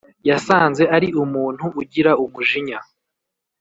yasanze ari umuntu ugira umujinya